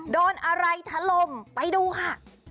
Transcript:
โดนอะไรทะลมไปดูค่ะ